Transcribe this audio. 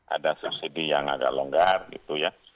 ada subsidi yang agak longgar gitu ya